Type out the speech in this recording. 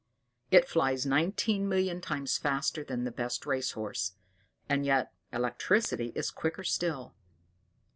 It flies nineteen million times faster than the best race horse; and yet electricity is quicker still.